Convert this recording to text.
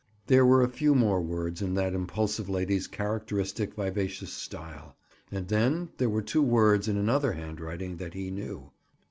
There were a few more words in that impulsive lady's characteristic, vivacious style. And then there were two words in another handwriting that he knew.